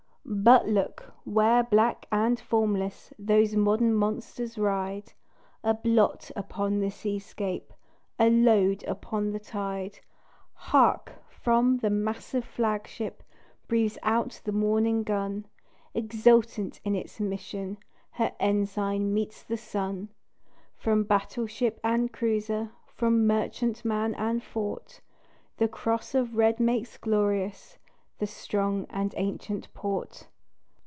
But look! where black and formless Those modern monsters ride A blot upon the seascape, A load upon the tide. Hark! from the massive flagship Breathes out the morning gun; Exultant in its mission Her ensign meets the sun. From battle ship and cruiser, From merchantman and fort, The cross of red makes glorious The strong and ancient port.